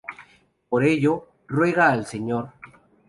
Por ello ruega al Sr.